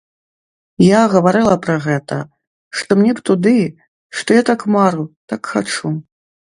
Я гаварыла пра гэта, што мне б туды, што я так мару, так хачу.